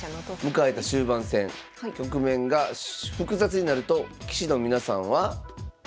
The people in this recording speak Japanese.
迎えた終盤戦局面が複雑になると棋士の皆さんは。